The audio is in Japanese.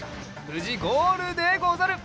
ぶじゴールでござる。